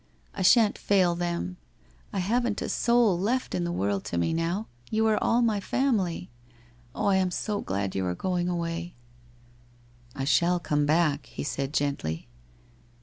I shan't fail them. I haven't a soul left in the world to me now. You are all my family. Oh, I am so glad you are going away/ ' T shall rome back,' he said gently.